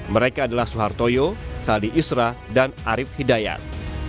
mereka adalah soeharto yo sali isra dan arief hidayat